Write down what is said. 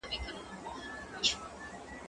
پاکوالي د زهشوم له خوا ساتل کيږي؟